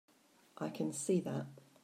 I can see that.